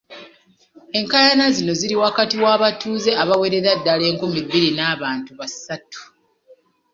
Enkaayana zino ziri wakati w'abatuuze abawerera ddala enkumi bbiri n'abantu basatu